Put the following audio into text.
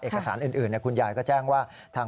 เอกสารอื่นคุณยายก็แจ้งว่า